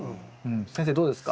先生どうですか？